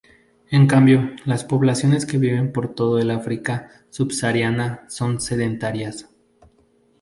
En cambio, las poblaciones que viven por todo el África subsahariana son sedentarias.